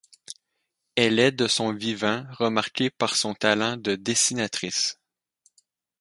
Elle est de son vivant remarquée pour son talent de dessinatrice.